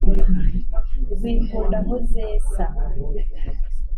rwikunda aho zesa